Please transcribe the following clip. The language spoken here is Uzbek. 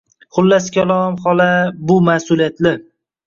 Xullas kalom, xola, bu ma’suliyatli